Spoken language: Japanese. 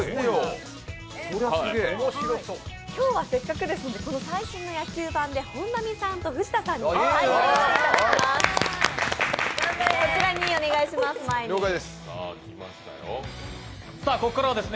今日はせっかくですので、最新の野球盤で本並さんと藤田さんに対戦していただきます。